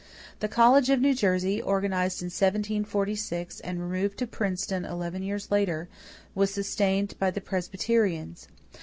The College of New Jersey, organized in 1746 and removed to Princeton eleven years later, was sustained by the Presbyterians.